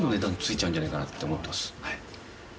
はい。